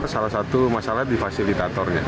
salah satu masalah di fasilitatornya